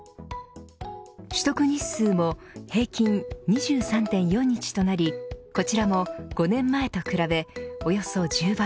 取得日数も平均２３．４日となりこちらも５年前と比べおよそ１０倍。